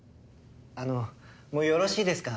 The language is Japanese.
あのもうよろしいですか？